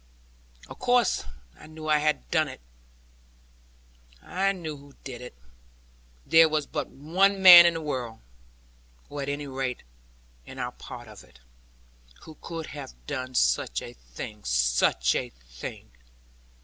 Of course, I knew who had done it. There was but one man in the world, or at any rate, in our part of it, who could have done such a thing such a thing.